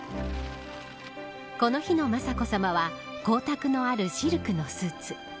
この日の雅子さまは光沢のあるシルクのスーツ。